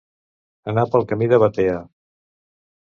Anar pel camí de Batea.